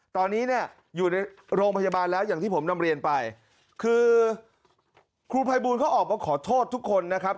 ตอนนี้เนี่ยอยู่ในโรงพยาบาลแล้วอย่างที่ผมนำเรียนไปคือครูภัยบูลเขาออกมาขอโทษทุกคนนะครับ